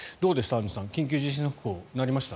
アンジュさん緊急地震速報、鳴りました？